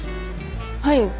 はい。